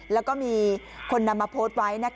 แล้วก็มีคนนำมาโพสต์ไว้